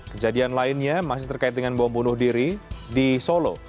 kejadian lainnya masih terkait dengan bom bunuh diri di solo